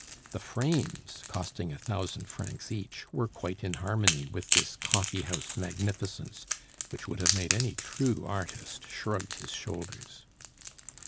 The frames, costing a thousand francs each, were quite in harmony with this coffee house magnificence, which would have made any true artist shrug his shoulders.